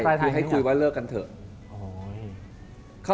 ไม่คุยว่าเลิกกันเถอะ